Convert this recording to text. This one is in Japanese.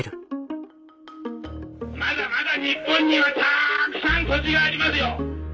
まだまだ日本にはたくさん土地がありますよ。